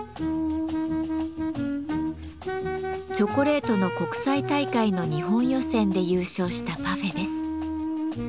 チョコレートの国際大会の日本予選で優勝したパフェです。